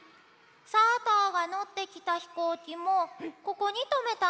さぁたぁがのってきたひこうきもここにとめたんだよ。